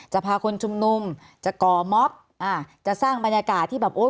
พาคนชุมนุมจะก่อม็อบอ่าจะสร้างบรรยากาศที่แบบโอ้ย